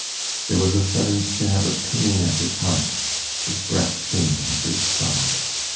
There was a sudden stab of pain at his heart, his breath came in a great sob.